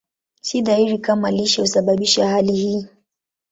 Si dhahiri kama lishe husababisha hali hii.